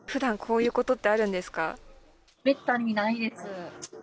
ふだん、めったにないです。